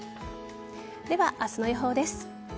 では、明日の予報です。